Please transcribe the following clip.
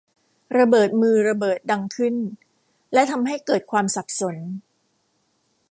ระเบิดมือระเบิดดังขึ้นและทำให้เกิดความสับสน